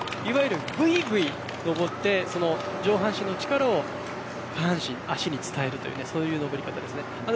ぐいぐい上って上半身の力を足に伝えるという上り方です。